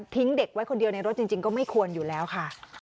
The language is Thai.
เด็กไว้คนเดียวในรถจริงก็ไม่ควรอยู่แล้วค่ะ